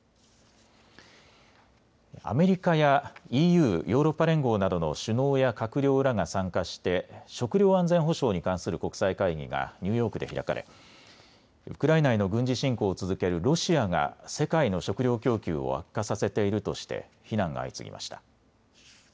アメリカやＥＵ・ヨーロッパ連合などの首脳や閣僚らが参加して食料安全保障に関する国際会議がニューヨークで開かれ、ウクライナへの軍事侵攻を続けるロシアが世界の食料供給を悪化させているとして非難が相次ぎました。